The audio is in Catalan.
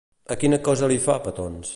A quina cosa li fa petons?